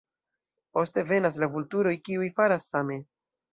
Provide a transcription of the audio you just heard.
Poste venas la vulturoj kiuj faras same.